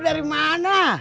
lo dari mana